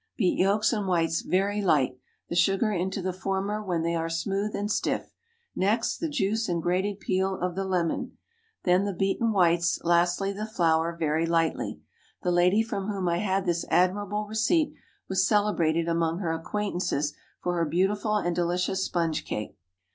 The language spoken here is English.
Beat yolks and whites very light, the sugar into the former when they are smooth and stiff; next, the juice and grated peel of the lemon, then the beaten whites; lastly, the flour, very lightly. The lady from whom I had this admirable receipt was celebrated among her acquaintances for her beautiful and delicious sponge cake.